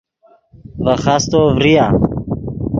ڤے خاستو ڤریا